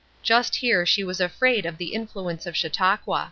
Just here she was afraid of the influence of Chautauqua.